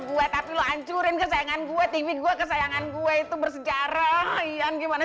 gue tapi lo hancurin kesayangan gue tv gue kesayangan gue itu bersejarah iyan gimana